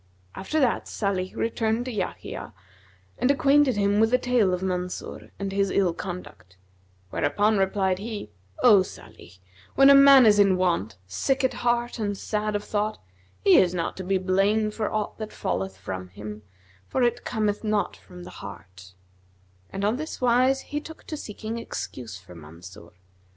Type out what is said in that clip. After that Salih returned to Yahya and acquainted him with the tale of Mansur and his ill conduct; whereupon replied he, 'O Salih, when a man is in want, sick at heart and sad of thought, he is not to be blamed for aught that falleth from him; for it cometh not from the heart;' and on this wise he took to seeking excuse for Mansur.